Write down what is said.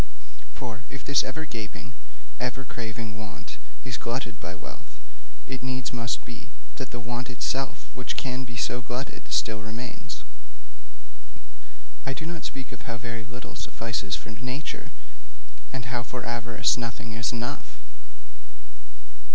For if this ever gaping, ever craving want is glutted by wealth, it needs must be that the want itself which can be so glutted still remains. I do not speak of how very little suffices for nature, and how for avarice nothing is enough.